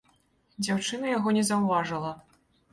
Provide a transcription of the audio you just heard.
Дзяўчына яго не заўважыла.